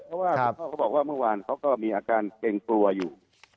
เพราะว่าคุณพ่อเขาบอกว่าเมื่อวานเขาก็มีอาการเกรงกลัวอยู่